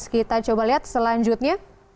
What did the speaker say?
kita coba lihat selanjutnya